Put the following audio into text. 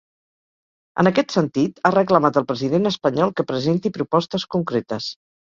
En aquest sentit, ha reclamat al president espanyol que presenti propostes concretes.